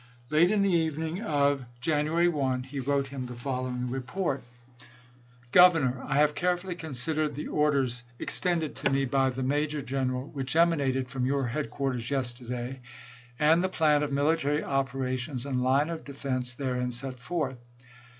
Late in the evening of Jan uary 1, he wrote him the following report : Governor : I have carefully considered the orders ex tended to me by the major general, which emanated from your headquarters yesterday, and the plan of military operations and line of defense therein set forth.